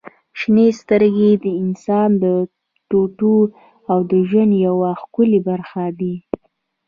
• شنې سترګې د انسان د ټوټو او ژوند یوه ښکلي برخه دي.